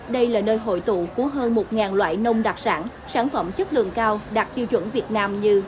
đây là nơi hội tụ của hơn một loại nông đặc sản sản phẩm chất lượng cao đạt tiêu chuẩn việt nam như